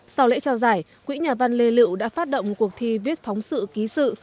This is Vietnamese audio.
sau lễ trao giải quỹ nhà văn lê lự đã phát động cuộc thi viết phóng sự ký sự